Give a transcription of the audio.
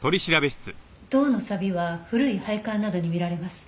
銅のさびは古い配管などに見られます。